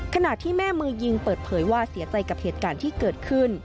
ขณะที่แม่มือยิงเปิดเผยว่าเสียใจกับเหตุการณ์ที่เกิดขึ้น